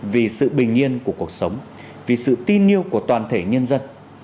vì sự bình yên của cuộc sống vì sự tin yêu của toàn thể nhân dân